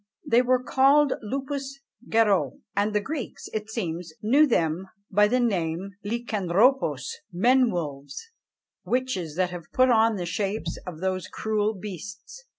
They were called loups garoux; and the Greeks, it seems, knew them by the name of [Greek: lukanthrôpoi], men wolves: witches that have put on the shapes of those cruel beasts.